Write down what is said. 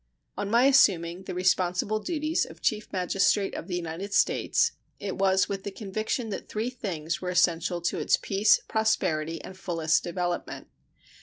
On my assuming the responsible duties of Chief Magistrate of the United States it was with the conviction that three things were essential to its peace, prosperity, and fullest development.